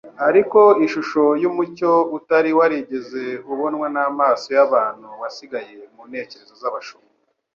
Ariko ishusho y'umucyo utari warigeze ubonwa n'amaso y'abantu wasigaye mu ntekerezo z'abashumba